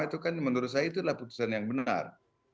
itu menurut saya adalah putusan yang benar